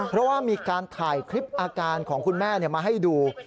เพราะว่ามีการถ่ายคลิปอาการของคุณแม่มาให้ดู